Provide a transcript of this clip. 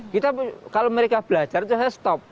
kita kalau mereka belajar itu saya stop